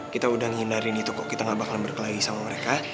kita udah nghindarin itu kok kita gak bakalan berkelahi sama mereka